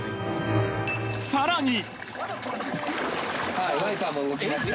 ［さらに］